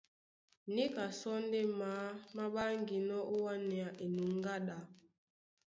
Níka sɔ́ ndé maá má ɓáŋginɔ́ ó wánea enuŋgá ɗá.